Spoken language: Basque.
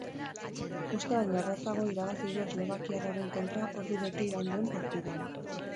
Uste baino errazago irabazi du eslovakiarraren kontra ordu bete iraun duen partidan.